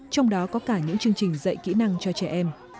trong đó có cả những chương trình dạy kỹ năng cho trẻ em